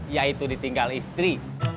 yaitu ditinggal istri